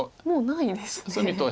もうないですね。